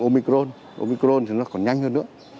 ômikron thì nó còn nhanh hơn nữa